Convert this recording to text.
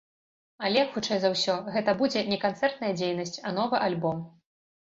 Але, хутчэй за ўсё, гэта будзе не канцэртная дзейнасць, а новы альбом.